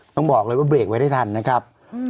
ต้องบอกเลยว่าเบรกไว้ได้ทันนะครับ